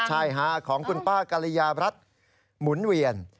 ใช่ครับของคุณป้ากัลยาภรรดิหมุนเวียน